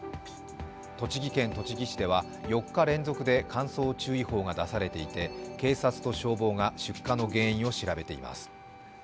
栃木県栃木市では４日連続で乾燥注意報が出されていて警察と消防が出火の原因を調べています。